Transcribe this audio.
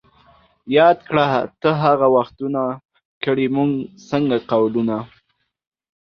یاد کړه ته هغه وختونه ـ کړي موږ څنګه قولونه